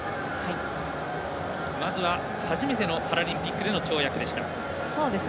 まずは、初めてのパラリンピックでの跳躍でした。